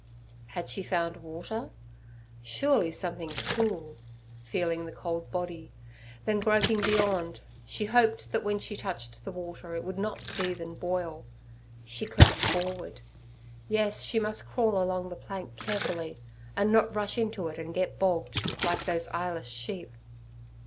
Had she found water? Surely something cool—feeling the cold body—then groping beyond, she hoped that when she touched the water it would not seethe and boil. She crept forward—yes, she must crawl along the plank carefully, and not rush into it and get bogged, like those eyeless sheep.